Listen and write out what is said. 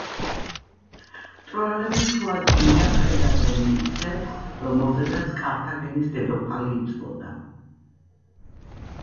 ტროელები შუა ზღვიდან ხედავდნენ იმ ცეცხლს, რომელზედაც კართაგენის დედოფალი იწვოდა.